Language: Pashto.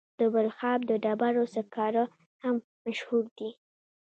د بلخاب د ډبرو سکاره هم مشهور دي.